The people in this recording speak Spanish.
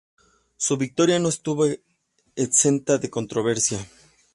Su victoria no estuvo exenta de controversia.